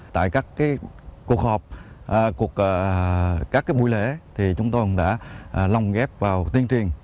tại các cuộc họp các buổi lễ chúng tôi đã lòng ghép vào tuyên truyền